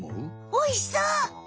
おいしそう！